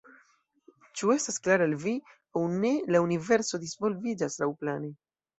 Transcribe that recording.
Ĉu estas klare al vi, aŭ ne, la universo disvolviĝas laŭplane.